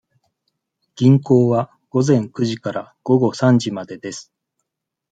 銀行は午前九時から午後三時までです。